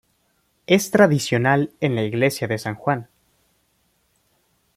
Es tradicional en la iglesia de San Juan.